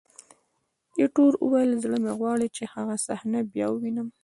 ایټور وویل: زړه مې غواړي چې هغه صحنه بیا ووینم.